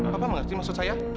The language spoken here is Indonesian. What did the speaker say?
bapak mengerti maksud saya